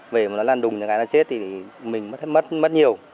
về mà nó làn đùng cho cái nó chết thì mình mất nhiều